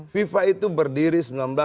fifa itu berdiri seribu sembilan ratus empat